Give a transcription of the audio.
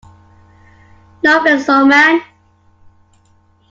No, thanks, old man.